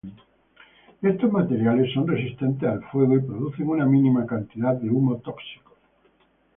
Estos materiales son resistentes al fuego y producen una mínima cantidad de humos tóxicos.